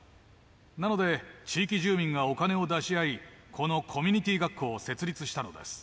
なので、地域住民がお金を出し合い、このコミュニティー学校を設立したのです。